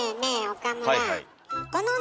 岡村。